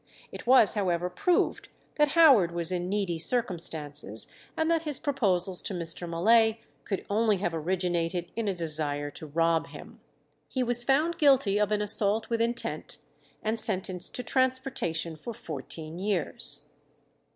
It was, however, proved that Howard was in needy circumstances, and that his proposals to Mr. Mullay could only have originated in a desire to rob him. He was found guilty of an assault with intent, and sentenced to transportation for fourteen years.